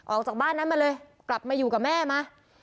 ออกจากบ้านนั้นมาเลยกลับมาอยู่กับแม่มา